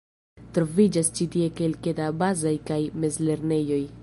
Troviĝas ĉi tie kelke da bazaj kaj mezlernejoj.